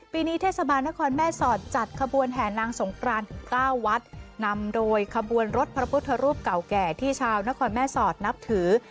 ปีนี้เทศบาลนครแม่สอดจัดขบวนแห่นางสงกรานถึงเก้าวัดนำโดยขบวนรถพระพุทธรูปเก่าแก่ที่ชาวนครแม่สอดนับถือ